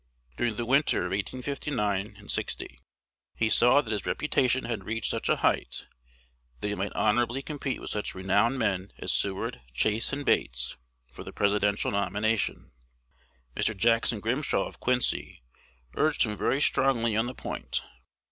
During the winter of 1859 60, he saw that his reputation had reached such a height, that he might honorably compete with such renowned men as Seward, Chase, and Bates, for the Presidential nomination. Mr. Jackson Grimshaw of Quincy urged him very strongly on the point.